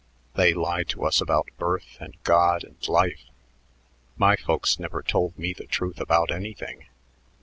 They lie to us about birth and God and life. My folks never told me the truth about anything.